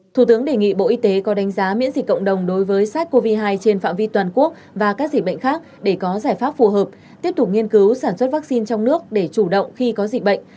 thủ tướng đề nghị bộ y tế có đánh giá miễn dịch cộng đồng đối với sars cov hai trên phạm vi toàn quốc và các dịch bệnh khác để có giải pháp phù hợp tiếp tục nghiên cứu sản xuất vaccine trong nước để chủ động khi có dịch bệnh